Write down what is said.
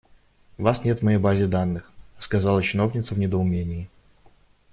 «Вас нет в моей базе данных», - сказала чиновница в недоумении.